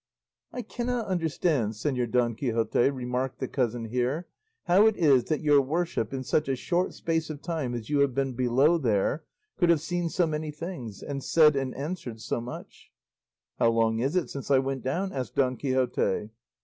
"I cannot understand, Señor Don Quixote," remarked the cousin here, "how it is that your worship, in such a short space of time as you have been below there, could have seen so many things, and said and answered so much." "How long is it since I went down?" asked Don Quixote.